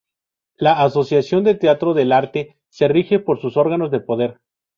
La Asociación de Teatro Del Arte se rige por sus órganos de poder.